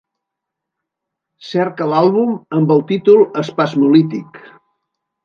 Cerca l'àlbum amb el títol Spasmolytic